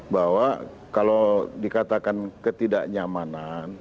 bahwa kalau dikatakan ketidaknyamanan